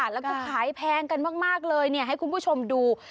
แล้วก็ขายแพงกันมากเลยให้คุณผู้ชมดู